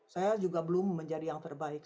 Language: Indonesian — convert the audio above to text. saya juga belum menjadi yang terbaik